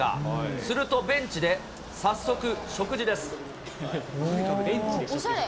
するとベンチで早速、食事です。